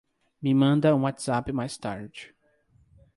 Me manda um WhatsApp mais tarde